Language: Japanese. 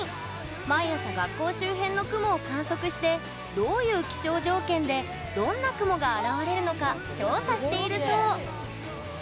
毎朝、学校周辺の雲を観測してどういう気象条件でどんな雲が現れるのか調査しているそう。